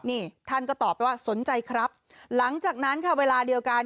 นี่ท่านก็ตอบไปว่าสนใจครับหลังจากนั้นค่ะเวลาเดียวกัน